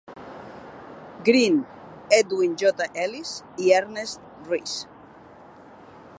Greene, Edwin J. Ellis i Ernest Rhys.